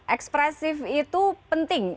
ekspresif itu penting